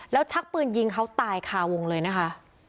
แล้วชักปืนยิงเขาตายคาวงเลยนะคะ